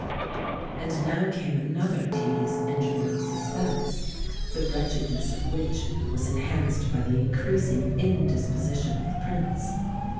And now came another tedious interval of suspense, the wretchedness of which was enhanced by the increasing indisposition of the Prince.